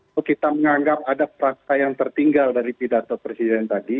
kalau kita menganggap ada perasaan yang tertinggal dari pidato presiden tadi